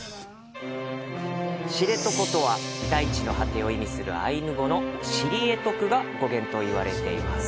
知床とは、大地の果てを意味するアイヌ語の「シリエトク」が語源といわれています。